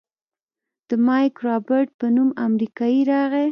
د مايک رابرټ په نوم امريکايي راغى.